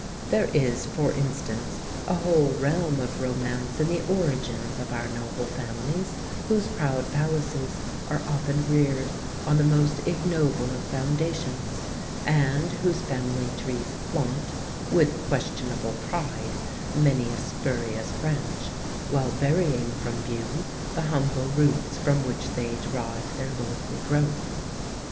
There is for instance a whole realm of romance in the origins of our noble families whose proud palaces are often reared on the most ignoble of foundations; and whose family trees flaunt, with questionable pride, many a spurious branch, while burying from view the humble roots from which they derive their lordly growth.